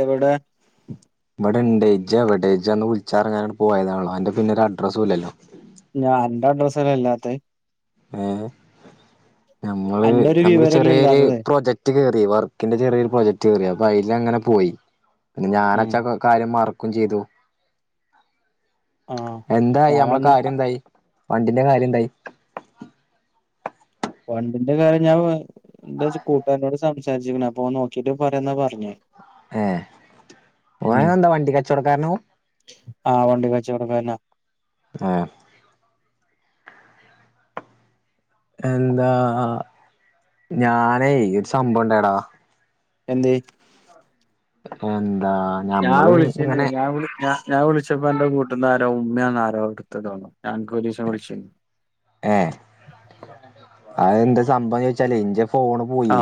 എവിടെ ഇവിടെണ്ടേ ജവിടേജന്ന് വിളിച്ചാറങ്ങാന് പോയതാണോ അന്റെ പിന്നെ ഒരു അഡ്രസ്സും ഇല്ലല്ലോ ഞാൻ എന്റെ ഡ്രസ്സല്ല ഇല്ലാത്ത ഏഹ് നമ്മള് അന്റെ ഒരു നമുക്ക് വിവരല്ലേ ചെറിയൊരു ഇല്ലാത്തത് പ്രൊജക്ട് കേറി വർക്കിന്റെ ചെറിയൊരു പ്രൊജക്ട് കേറിയ വൈലങ്ങനെ പോയി ഉം [unintelligible] [inaudible] ആഹ് എന്തായി അമ്മളെ ഞാനന്ന് അ- കാര്യന്തായി വണ്ടിന്റെ കാര്യന്തായി വണ്ടിന്റെ കാര്യം ഞാൻ വേ ന്താച്ചാ കൂട്ടാനോട് സംസാരിച്ച്ക്ക്ണ് അപ്പൊ ഓൻ നോക്കിട്ട് പറയാന്നാ പർഞ്ഞേ ഹേ ഓന് വണ്ടികച്ചോടക്കാരനാ ഓമ് ആഹ് വണ്ടി കച്ചവടക്കാരനാ ഹേ എന്താ ഞാനേ ഒരു സംഭവംണ്ടായടാ എന്തേയ്‌ ഹേ ഹ് ഞാ വിളിച്ചിനെ ഞാ വിളി ഞാൻ വിളിച്ചപ്പോ അന്റെ കൂട്ട്ന്നാരോ ഉമ്മയാന്നാരോ ഇട്ത്തെ തോണ് ഞാ അന്ക് ഒരീസം വിളിച്ചിനി ഹേ അതെന്താ സംഭവന്നെച്ചാലെ ഇൻ ഫോണ് പോയ്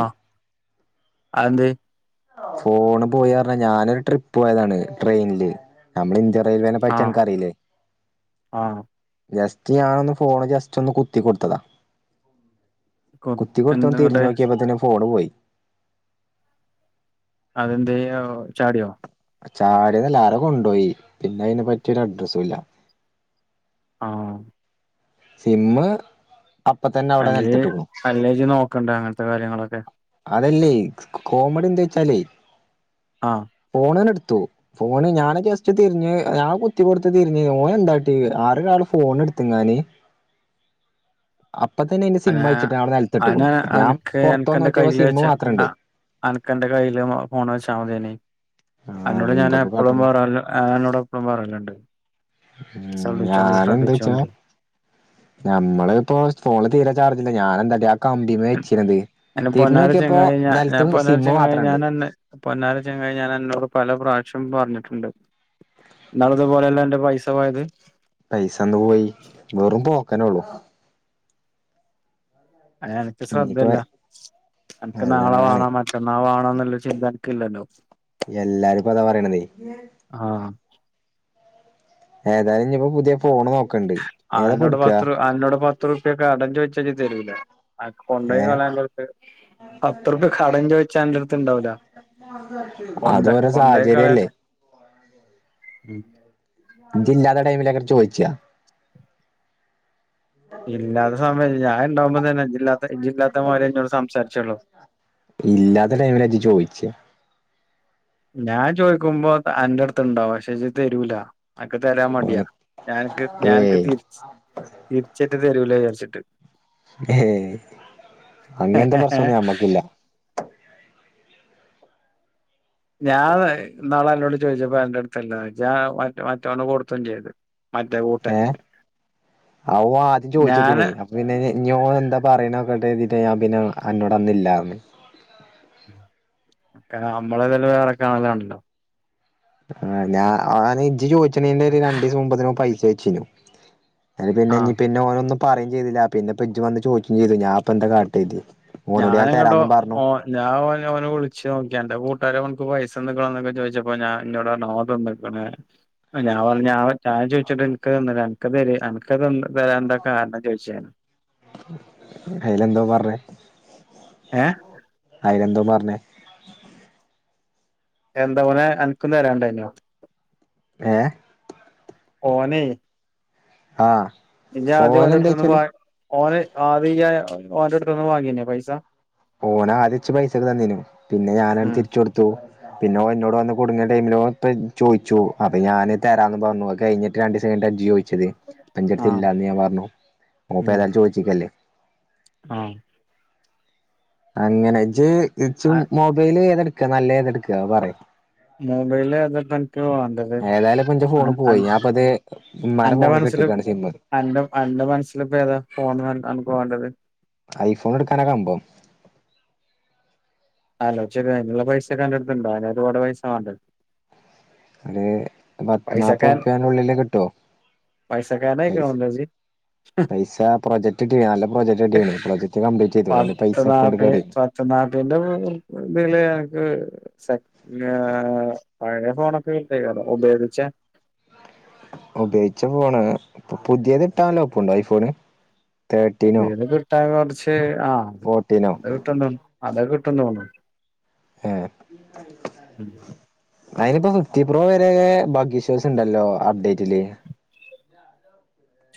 അന്തേ ഫോണ് പോയിറഞ്ഞ ഞാനൊരു ട്രിപ്പ് പോയതാണ് ട്രെയിൻല് നമ്മളെ ഇന്ത്യ യിൽവേനെ പറ്റി ആഹ് അൻക്കറീലേ ആഹ് ഞാനൊന്ന് ഫോണ് ജസ്റ്റ് ഒന്ന് കുത്തി കൊട്ത്തതാ കുത്തിക്കൊട്ത്തൊന്ന് തിര്ഞ് എന്തെങ്ങട്ട് നോക്കിപ്പോത്തന്നെ ഫോണ് പോയി അതെന്തേയ്‌ ഓ ചാടിയോ ചാട്യതല്ല ആരൊ കൊണ്ടോയി പിന്നെ അയ്നെപ്പറ്റിയൊരു അഡ്രസുല്ല [inaudible] ആഹ് സിമ്മ് അപ്പ തന്നെ അവിടെ അല്ലേ നിലത്തിട്ട്ക്ക്ണു അല്ലേ ഇജ്ജ് നോക്കണ്ടെ അങ്ങൻത്തെ കാര്യങ്ങളൊക്കെ അതല്ലേ കോമഡിന്താന്ന് ച്ചാലേ ആഹ് പോന് ത്തു ഫോണ് ഞാന് ജസ്റ്റ് തിര്ഞ്ഞ് ഞാൻ കുത്തി കൊട്ത്ത് തിര്ഞ്ഞ് ഓൻന്താട്ടി ആരൊരാള് ഫോൺ ഇട്ത്ത്ങ്ങാന് അയിന്റെ സിമ്മ് അനാ അഴിച്ചിട്ട് അവിടെ അന നിലത്തിട്ട്ക്ക്ണു ഞാൻ അനക്ക് പൊറത്തോന്ന് അനക്കന്റെ നോക്കിയപ്പോ കയ്യില് സിമ്മ് വെച്ച മാത്രണ്ട് അ അനക്കന്റെ കയ്യില് ഫോണ് വെച്ചാമതേനി ആഹ് അന്നോട് ഞാന് എന്താപ്പ എപ്പളും കാട്ടണു പറ അന്നോട് എപ്പളും പറല്ണ്ട് ഞാനെന്താച്ചാ ഞമ്മള്പ്പോ ഫോണ്ൽ തീരെചാർജ് ഞാനെന്താ അയ്ന് പൊന്നാര ചെങ്ങായെ ഞാൻ നെലത്ത് പൊന്നാര സിമ്മ് ചെങ്ങായെ മാത്രണ്ട് ഞാനന്നെ പൊന്നാര ചങ്ങായെ ഞാൻ അന്നോട് പല പ്രാ ശ്യം പറഞ്ഞിട്ട്ണ്ട് ഇന്നാളിതുപോലല്ലേ അന്റെ പൈസ പോയത് പൈസന്ന് പോയി വെറും പോക്കന്നൊള്ളു അയ്ന് അൻക്ക് ഇനിയിപ്പോ ശ്രദ്ധല്ല അൻക്ക് നാളെ അതാണ് വാണോ മറ്റന്നാ വാ ണന്നിള്ളെ ചിന്ത അന്കില്ലല്ലോ എല്ലാരുംപ്പൊ അതാ പറയണതെ ആ ഏതായാലും ഇനിയിപ്പോ പുതിയ ഫോണ് നോ ആനോട് പാത്രം ആന്നോട് പ എത്ര ഉർപ്യ കടം ചോയി ഇച്ച് ജ് തരൂല അന്ക്ക് കൊണ്ടോയി ഏഹ് കളയാള്ളത്ണ്ട് പത്ത്റുപ്യ കടം ചോയ് ച്ച അൻഡ അതോരൊ കൊണ്ടോയി കളയാ സാഹചര്യല്ലേ ഇജ്ജ് ഇല്ലാത്ത ടൈമിലക്കെറി ചോദിയിച്ചയാ ഇല്ലാത്ത സമയത് ഞാൻ ഇണ്ടാവുമ്പോ തന്നെ ജില്ലാ ഇല്ലാത്ത ടൈമിലാ ഇജ് ചോയിച്ചേ ഞാൻ ചോയിക്കുമ്പോ അന്റെടുത്ത് ഉണ്ടാവും പക്ഷെ ഇജ്ജ് തരൂല അൻക്ക് തരാൻ മടിയാ ഓലെ ഞാനക്ക് ഞാനക്ക് ഏയ് തിരിച്ച് തിരിച്ച് ഇഞ്ജ് തരുല്ലേ വിചരിച്ചിട്ട് ഏയ് അങ്ങനത്തെ പ്രശ്നൊന്നും ഞമ്മക്കില്ല ഞാ [unintelligible] ഇന്നാളന്നോട് ചോയിച്ചപ്പോ അൻ്റട്ത് അല്ല ഇജ്ജാ മറ്റ് മറ്റോന് കൊടുത്തും ചെയ്ത് മറ്റേ ഏഹ് കൂട്ടുകാരന് അവു ആദ്യം ഞാന് ചോയിച്ചിട്ടിന് അപ്പൊ പിന്നെ അങ്ങ് ഇനി ഓൻ എന്താ പറയ്ണോക്കട്ടേര്തീട്ടാ ഞാൻ പിന്നെ അന്നോട് അന്ന് ഇല്ലാ പർഞ്ഞ് ഒക്കെ അമ്മളതല്ലെ വേറെ കാണലാണല്ലോ ആ ഞാ ഓന് ഇജ്ജ് ചോയ് ച്ച്‌ണെയ്ന്റെ ഒരു രണ്ടീസം മുമ്പത്തന്നെ ഓൻ പൈ യിച്ചിനു അയിന് പിന്നെ ആ ഇഞ് പിന്നെ ഓനൊന്നും പറിം ചെയ്തില പിന്നെ പ്പൊ ഇജ് വന്ന് ചോയ്ക്കും ചെയ്തു ഞാപ്പൊ എന്താ കാട്ടയ്തി ഞാനങ്ങട്ടോ ഓ ഞാൻ ഓനെ വിളിച്ച് നോക്കി അന്റെ ഫോ ക്കാര നമുക്ക് പൈസ തന്നിക്കണോ എന്നൊക്കെ ചോദിച്ചപ്പോ ഞാൻ എണ്ടോട് പറഞ് ഓൻ തന്ന്ക്ക്ണ് ഞാൻ പറഞ്ഞ് ഞാൻ ഞാ ചോയിച്ചിട്ട് എന്ക്ക് തന്നില്ലാന്ന് അന്ക്ക് തരി അന്ക്ക് തരാണ്ട കാരണം ചോദിച്ചേ അയിലെന്താ ഓൻ പറഞ്ഞ് ഏഹ് അയിന് എന്തോ പറഞ്ഞേ [inaudible] എന്താ ഓന് അനക്കും തരാണ്ടയ്നോ ഏ ഓനെ ആ ഇജ് ആദ്യം ഓന്റടുത്ന്ന്ന് വാ ഓന് ആറയ്യാ ഓന്റട്ത്ത്ന്ന് വാങ്ങിനോ പൈസ ഓന് ആദ്യച്ച് പൈസക്കെ തന്നീ നു പിന്നെ ഞാന ഓന് ഉം തിരിച്ചു കൊടുത്തു പിന്നെ ഓന് ഇന്നോട് വന്ന് കുടുങ്ങിയ ടൈമില് ചോയിച്ചു അപ്പൊ ഞാന് തരാന്ന് പറഞ്ഞു കഴിഞ്ഞിട്ട് രണ്ടിസ കഴിഞ്ഞിട്ട ഇജ് ചോയി ച്ചത് ആഹ് അന്റടുത്തില്ലാന്ന് ഞാൻ പറഞ്ഞു ഓപ്പ ഏതാലും ചോദിച്ചിക്കല്ലേ ആ അങ്ങനെ ജ് തിരിച്ചും അഹ് മൊബൈല് ഏതെടുക്ക നല്ല എടുക്ക പറയ് മൊബൈല ഏത അൻക്ക് വണ്ടത് ഏതായാലും ഇപ്പൊ ഇന്റെ അൻ ഫോണ് അൻ പോയി ഞാൻപ്പത് ഉമ്മാന്റെ അന്റെ ഫോണ്ക്ക് മനസ്സില് ഇട്ട്ക്കാണ് സിമ്മ് അന്റെ അന്റെ മനസ്സിലിപ്പോ ഏതാ ഫോണ് അൻ വേണ്ടത് ഐഫോൺ എടുക്കാന കമ്പം അലോ ചെരി അതിനുള്ള പൈസ കണ്ടടുത്തിുണ്ടോ അതിന് ഒരുപാട് പൈസ വേണ്ട അതെ പത്തനാപ്പറുപ്പ്യുള്ളില് കിട്ടോ പൈസ പൈസക്കാരനായിക്കണല്ലോ ഇജ്ജ് പൈസ പ്രൊജക്റ്റ് ഇ നല്ല പ്രോജക്ട് അടിയാണ് പ്രൊജക്ട് കംപ്ലീറ്റ് ചെയ്തോ അതിന് പത്ത് പൈസക്കണ്ട് നാപ്പ കേറി പത്ത് ഉം സ ഞാ പഴയ ഫോണൊക്കെ വിട്ടേ ഉപക ച്ച ഉപയോഗിച്ച ഫോണ് ഇപ്പൊ പുതിയത് ഇട്ടാലോ ഒപ്പണ്ടോ ഐഫോണ് തേർട്ടീനോ പുതിത് കിട്ടാ കൊർ ച്ച് ആഹ് ഫോർട്ടീനോ അത് കിട്ടണ്ട അത് കി പട്ടെന്ന് പോന്നോ ഏ അയിനിപ്പോ ഫിഫ്റ്റി പ്രോ വരെ ഭാഗ്യശോസ് ഉണ്ടല്ലോ അപ്ഡേറ്റില്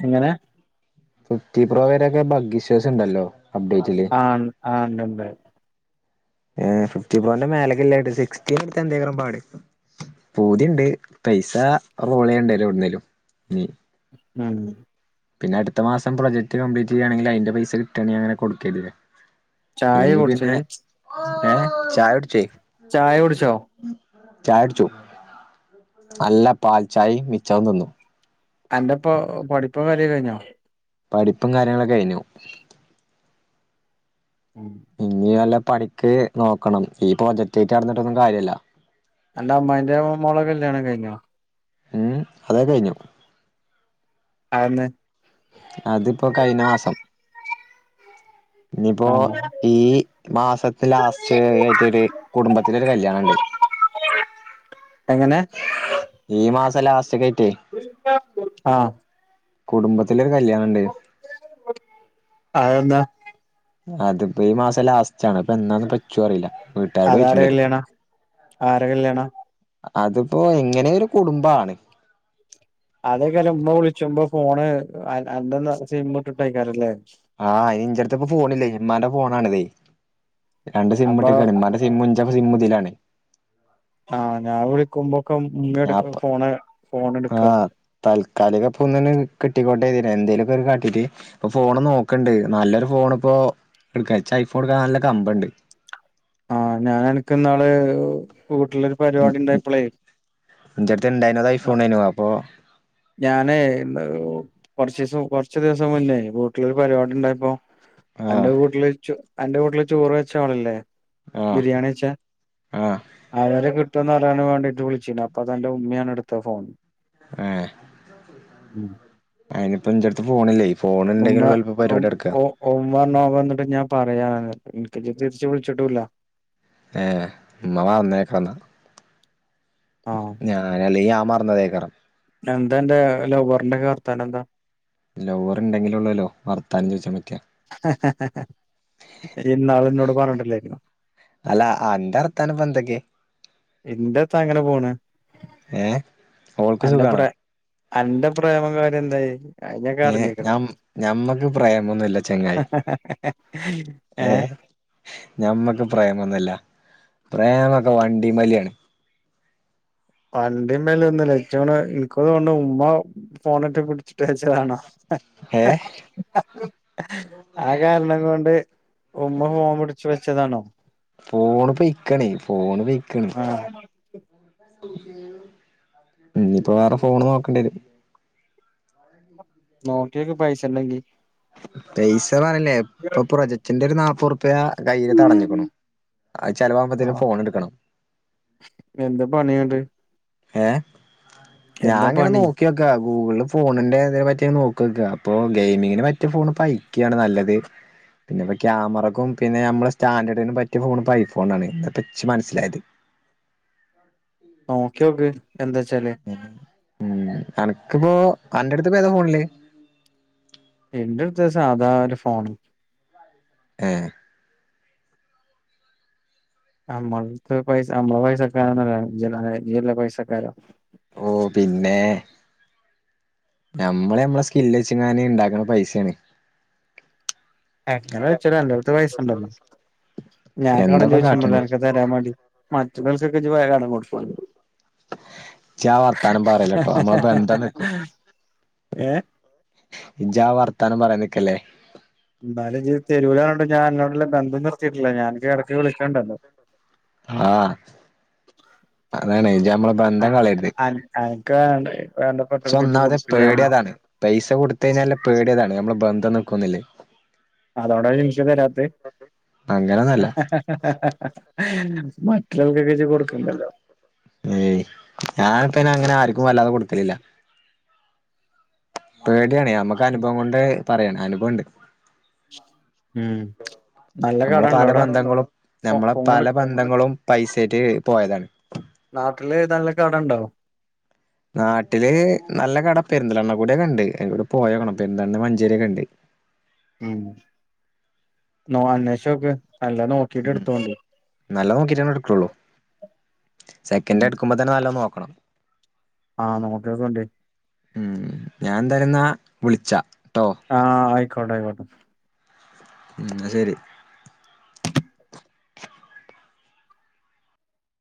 എങ്ങനെ ഫിഫ്റ്റി പ്രോ വരൊക്കെ ഭഗ്വ വിശ്വാസം ഉണ്ടല്ലോ അപ്ഡേറ്റില് ആഹ് ആ ണ്ട്ണ്ട് ഏ ഫിഫ്റ്റി പോന്റെ മേലക്കല്ല് സിക്സ്റ്റടു എന്ത പാട് പതിുണ്ട് പൈസ റോൾ ചെയ്യണ്ടല്ലോ എവിടുന്നേും നി ഉം പിന്നെ അടുത്ത മാസം പ്രജക്റ്റ് കപ്ലീറ്റ് ചെയ്യുകയാണെങ്കിൽ അതിന്റെ പൈ കിട്ടണെ അങ്ങനെ കൊടുക്കല്ലേ ചായ അല്ലെങ്കി കുടിച്ചോ പിന്നെ ഇയ്യ് ഏ ചായ ഉട്ച്ചേ ചായ കുടിച്ചോ ചായ അടിച്ചു നല്ല പാൽ ചായ മിച്ചറും തിന്നു അന്റെ പൊ പടിപ്പും കാര്യം കഴിഞ്ഞോ പഠിപ്പും കാര്യങ്ങളൊ കഴിഞ്ഞു ഉം പഠിക്ക് നോക്കണം ഈ പ്രോജക്റ്റ് ആയിട്ട് നടന്നിട്ടൊന്നും കാര്യല്ല അന്റെ അമ്മായിന്റെ മോളെ കല്യാണം കയ്ഞോ ഹേ അതൊക്കെ കയ്ഞോ ആന്ന് അതിപ്പോൊ കഴിഞ്ഞ മാസം ഇനിയിപ്പോൊ ആഹ് ഈ മാസത്തെ ലാസ്റ്റ് ആയിട്ടൊരു ഒരു കുടുംബത്തിലൊരു കല്യാണുണ്ട് എങ്ങനെ ഈ മാസം മാസ ലാസ്റ്റ് ആയി ആ കുടുംബത്തിലെ കല്യാണുണ്ട് അതെന്താ അത്പ്പം ഈ മാസം ലാസ്റ്റാണ് ഇപ്പൊ എന്നാണ് ഇപ്പ അതര കല്യാണ ആര കല്യാണ അതിപ്പോ എങ്ങനെയ ഒരു കുടുംബാണ് അതേക്കാല ഉമ്മ വിളിച്ച്പോ ഫോണ് എന്ത സിമ്മ്ട്ടായിക്കാരാല്ലേ ആഹ് അ ഇന്റെ ഇടുത്ത്പ്പ ഫോണില്ലേ ഇമ്മാന്റെ ഫോണണിതേ രണ്ട് അപ്പൊ സിംമിട്ട്ക്കാണ് ഇമ്മൻ്റ സിം സിം മുതിലാണ് ആഹ് ഞാൻ വിളിക്കുമ്പോ ഞാപ്പ ആ എടുക്കാ താൽക്കാലിക പൊന്ന്ൻ കിട്ടിക്കോട്ടേെ എന്തേലുമക്കെ കാട്ടീട്ട് ഇപ്പൊ ഫോൺ നോക്കണ്ട് നല്ലൊരു ഫോണ ഇപ്പോൊ എക്ക ഐഫോൺ എടുക്ക നല്ല കമ്പണ്ട് ആ ഞാൻ അനക്ക് നാള് വീട്ടിലൊരു പരിപാടി ഉണ്ടായിപ്പോളെ ഇൻ്റടത്ത് ഉണ്ടായിതിനതായി ഫോണന് അപ്പൊ ഞാനേ എന്താ കൊറച്ച ദിവസം കൊറച്ച് ദിവസം മുന്നേ വീട്ടിലൊരു പരിപാടി ഉണ്ട ഇപ്പോ അന്റെ ആഹ് കുടീൽച്ച് അന്റെ വീട്ടില് ചോറ് വെച്ച ആളല്ലേ ആഹ് ബിരിയാണി വച്ചാ ആഹ് ആര കി മറ്റന്ന നാലാണ് വേണ്ടിട്ട് വിളിച്ച അപ്പൊ അതൻന്റെ ഉമ്മാണ് എടുത്ത ഫോൺ ആ ഉം അയിനിപ്പ ഇൻ്റടുത്ത് ഫോണില്ലേ ഉമ്മ ഫോണുണ്ടെങ്കിൽ എളുപ്പ പരിപാടി നട്ക്കാ പറയാന ഇനിക്ക് ഇജ്ജ് തിരിച്ച് വിളിച്ചിട്ടൂല്ല ആ ഇമ്മ മറന്നതെക്കരഞ്ഞാൽ ആഹ് ഞാനല്ലേഅ മറന്നതേക്കാരം എന്താ അന്റെ ലൗവറിന്റെക്കെ വർത്താന എന്താ ലൗ വറ് ണ്ടെങ്കിലെ ള്ളല്ലോ വർത്താനം ചോദിച്ചാ പറ്റ രി ഇന്നാള് ന്നോട് പറഞ്ഞിട്ടില്ലേ ഞ്ഞോ അല്ല അന്റെ വർത്താനം പ്പോ എന്തൊക്കെ ഇന്റെ ത്താ അങ്ങനെ പോണ് ഏഹ് ഓൾക്ക് അന്റെ സുഖാണോ പ്രറേ അന്റെ പ്രേമം കാര്യം എന്തായി അത് ഞാനൊക്കെ ഏ അറിഞ്ഞിക്ക്ണ് ഞ ഞമ്മക്ക് പ്രമംന്നുല്ല ചെങ്ങായി ഏ ഏഹ് ഞമ്മക്ക് പ്രമംന്നുല്ല പ്രേമൊക്കെ വണ്ടി വലിയാണ് വണ്ടി വലി ഒന്നുല്ല ച്ച്ണേ ഇൻക്കോ തോണേ ഉമ്മ ഫോണന്റെ പി ടി ച്ച് വച്ചതാണോ ഏ ആ കാരണം കൊണ്ട് ഉമ്മ ഫോൺ പിടിച്ചു വ ച്ചതാണോ ഫോണ് പൊയിക്കാണേ ഫോണ് പൊയ്ക്ണ് ആഹ് ഉ ഇപ്പൊ വേറെ ഫോണ് നോക്കേണ്ടി വരും നോക്കിയൊക്ക് പൈസണ്ടങ്കി തയ്സ് സമാനല്ലെ [unintelligible] പ്രൊജക്റ്റ് എന്റെ ഒരു നാപ്പർപ്യ കയ്യില് തടഞ്ഞക്കണു അത് ചെിലവവുമ്പോത്തേും ആഹ് ഫോൺ എടുക്കണം എന്താ പണി ഇങ്ങട്ട് ഏ ഞാൻ എന്താ അങ്ങനെ പണി നോക്കിക്കാ ഗൂഗിള ഫോണിന്റെ തിനെപറ്റിയ നോക്കക്ക അപ്പൊ ഗെയിമിങ്ങിന് പറ്റിയ ഫോണ് ഇ ഐക്കാണ് നല്ലത് പിന്നെ ഇപ്പോ ക്യാമറക്കും പിന്നെ നമ്മള് സ്റ്റാൻഡേർഡിനും പറ്റിയ ഫോൺപ്പ ഐ ഫോൺണ് ഇ പച്ച് മനസ്സിലായത് നോക്കിയോക്ക് എന്താ ച്ചാല് ഉം അനക്ക്പ്പോ അന്റെ ടുത്ത് പോ ഏതാ ഫോണില്ലേ എന്റെ ട്ത്ത് സാധാ ഒരു ഫോൺ ഏ നമ്മൾ പൈസ നമ്മള പൈസക്കാരന്നല്ലല്ലേ ഇജ്ജല്ലേ പൈസക്കാരം ഓ പിന്നെ നമ്മളെ നമ്മളെ സ്കില്ല വച്ചങ്ങാന് ഇണ്ടാക്കണ പൈസയാണ് എങ്ങനെ വെച്ചാലോ എന്റെ അടുത്ത് പൈസണ്ടല്ലോ ഞാൻ കട എന്താപ്പ ചോദിച്ച് പ്പോ കാട്ട്ണ് അനക്ക് തരാൻ വേണ്ടി മ റ്റെള്ളൽ ക്ക് ഇജ്ജ് വേഗാണ്ട് കൊടുക്കല്ലോ ജാ വർത്താനം പറല്ലേ ട്ടോ നമ്മളബന്ധം നിക്കും ഏ ഇജാവർത്താനം പറാ നി ക്കല്ലേ ന്നാലും ജ് തെരൂലാ പറഞ്ഞോണ്ട് ഞാൻ അന്നോട്ള്ള ബന്ധം നിർത്തിയിട്ടില്ല ഞാൻ അനക്ക് ഇടക്ക് വിളിക്കണ്ടല്ലോ ആ അതാണ് ഇജ്ജ് നമ്മള ബന്ധം കളയര്ത് കാണ്ടേ പക്ഷ ഒന്നാമതെ പേടിയതാണ് പൈസ കൊടുത്ത കഴിഞ്ഞാല് പേടിയതാണ് നമ്മള് ബന്ധം നി ഓർക്കൊന്നില്ലേ അതോണ്ട ജിംഷേ തരാത്തേ അങ്ങനൊന്നല്ല ഉസ്മാൻ ഞാനിപൈന് അങ്ങനെ ആർക്കും വല്ലാതെ കൊടുക്കല്ല ഇല്ലില്ല പേടിയാണ് നമുക്ക് അനുഭവം കൊണ്ട് പറയണ് അനുഭവുണ്ട് ഉം നല്ല നമ്മളെ കടണ്ടോ പല അവിടെ ബന്ധങ്ങളും ഫോ നമ്മളെ ഫോണ് പല ബന്ധങ്ങളും പൈസായിട്ട്- പോയതാണ് നാട്ടില് ഏതാള്ളേ കടണ്ടോ നാട്ടില് നല്ല കട പെരുന്തലെണ്ണ കൂടെ ഒക്കെ ഉണ്ട് അതി കൂടെ പോയേക്കണം പെരുന്തലണ്ണ മഞ്ചേരിയൊക്കെ ഉണ്ട് ഉം അന്വേഷിച്ചു നോക്ക് അല്ല നോക്കിട്ട് എടുത്തോണ്ടു ജ്ജനെ ഇടക്കൊള്ളു സെക്കൻ്ആയി എടുക്കുമ്പോ തന്നെ നല്ലോ നോക്കണം നോക്കണം ആഹ് നോക്കികണ്ടി ഉം ഞാൻ എന്തായാലുന്ന വിളിച്ചാ ട്ടോ ആഹ ആയി ക്കോട്ടായിക്കോട്ടെ ഉം ന്ന ശരി